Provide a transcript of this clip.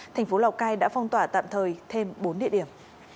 thành phố lào cai đã phong tỏa tạm thời thêm bốn địa điểm